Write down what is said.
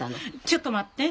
ちょっと待って。